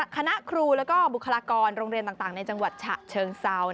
คณะครูแล้วก็บุคลากรโรงเรียนต่างในจังหวัดฉะเชิงเซา